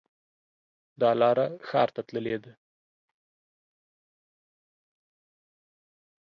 دا لاره ښار ته تللې ده